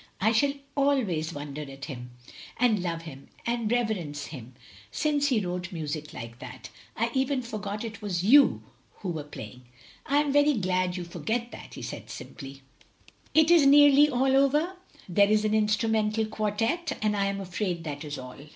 I shall always wonder at him, and love him, and reverence him — since he wrote music like that. I even forgot it was you who were playing. " "I am very glad you forget that," he said simply. 192 THE LONELY LADY "Is it nearly all over?" "There is an instrumental quartette; and I am afraid that is all."